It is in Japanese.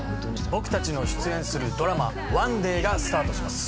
僕たちの出演するドラマ『ＯＮＥＤＡＹ』がスタートします。